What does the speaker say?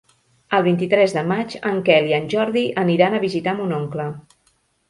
El vint-i-tres de maig en Quel i en Jordi aniran a visitar mon oncle.